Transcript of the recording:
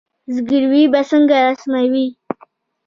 زګیروي به څنګه رسموي